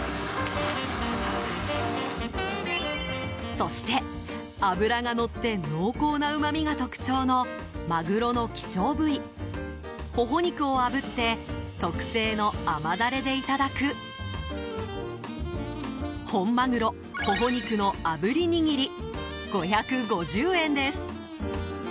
そして、脂がのって濃厚なうまみが特徴のマグロの希少部位ほほ肉をあぶって特製の甘ダレでいただく本まぐろほほ肉の炙りにぎり５５０円です。